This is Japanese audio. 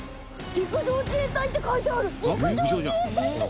「陸上自衛隊」って書いてある！